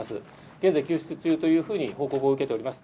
現在、救出中というふうに報告を受けております。